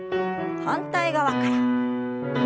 反対側から。